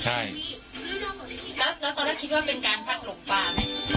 ใช่แล้วตอนนั้นคิดว่าเป็นการพักหลบปลาไหม